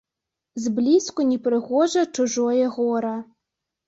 Зблізку непрыгожа чужое гора.